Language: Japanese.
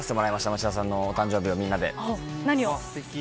町田さんの誕生日をみんなで。